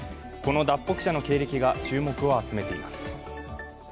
この脱北者の経歴が注目を集めています。